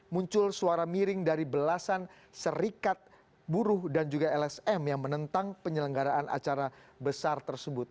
muncul suara miring dari belasan serikat buruh dan juga lsm yang menentang penyelenggaraan acara besar tersebut